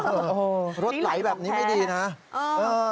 เออนะฮะถ้าไม่มัดเดี๋ยวมันไหลออกนอกบ้าน